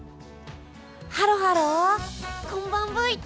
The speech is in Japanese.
ハロハロ、こんばんブイ。